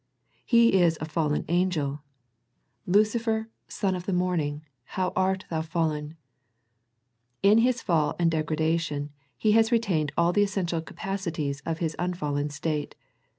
He is a fallen angel, " Lucifer, 86 A First Century Message son of the morning, how art thou fallen." In his fall and degradation, he has retained all the essential capacities of his unfallen state.